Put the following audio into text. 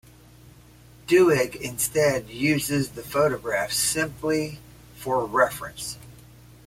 Doig instead uses the photographs simply for reference.